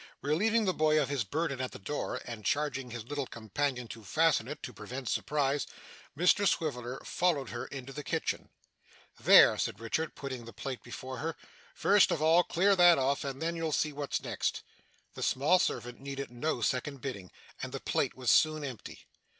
Relieving the boy of his burden at the door, and charging his little companion to fasten it to prevent surprise, Mr Swiveller followed her into the kitchen. 'There!' said Richard, putting the plate before her. 'First of all clear that off, and then you'll see what's next.' The small servant needed no second bidding, and the plate was soon empty.